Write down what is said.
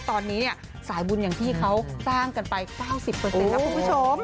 ตอนนี้เนี่ยสายบุญอย่างที่เขาสร้างกันไป๙๐นะคุณผู้ชม